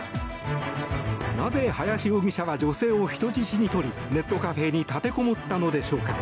なぜ林容疑者は女性を人質にとりネットカフェに立てこもったのでしょうか。